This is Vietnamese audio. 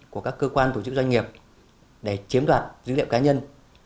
của các cơ quan tổ chức doanh nghiệp để chiếm đoạt dữ liệu cá nhân